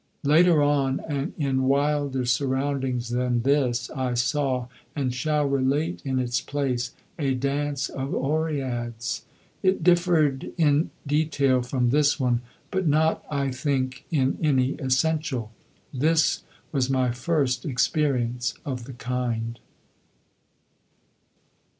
Later on and in wilder surroundings than this I saw, and shall relate in its place, a dance of Oreads. It differed in detail from this one, but not, I think, in any essential. This was my first experience of the kind.